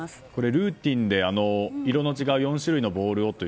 ルーティンで色の違う４種類のボールをと。